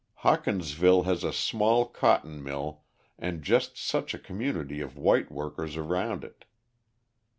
Hawkinsville has a small cotton mill and just such a community of white workers around it.